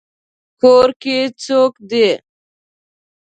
کور کې څوک دی؟